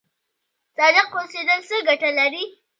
صادق اوسیدل څه ګټه لري؟